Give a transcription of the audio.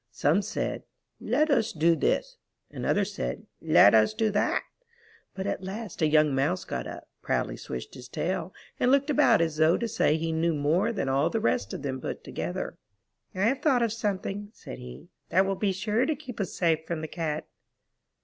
Some said, *'Let us do this,'' and others said, Let us do that,'' but at last a young Mouse got up, proudly swished his tail, and looked about as though to say he knew more than all the rest of them put together. ''I have thought of something," said he, that will be sure to keep us safe from the Cat."